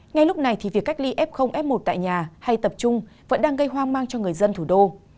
ngay lúc này thì việc cách ly f f một tại nhà hay tập trung vẫn đang gây hoang mang cho người dân thủ đô